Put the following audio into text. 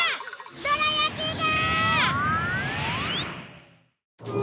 どら焼きが！